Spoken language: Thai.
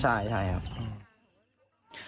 ใช่ครับ